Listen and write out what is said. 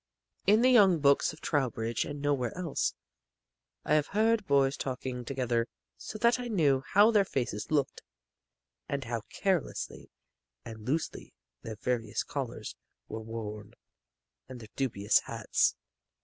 In the young books of Trowbridge, and nowhere else, I have heard boys talking together so that I knew how their faces looked, and how carelessly and loosely their various collars were worn, and their dubious hats.